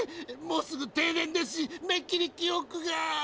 もうすぐ定年ですしめっきり記おくが。